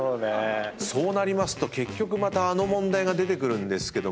そうなりますと結局またあの問題が出てくるんですけども。